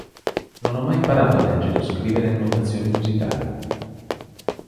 Non ha mai imparato a leggere o scrivere notazioni musicali.